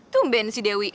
tumben si dewi